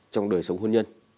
trong đời sống hôn nhân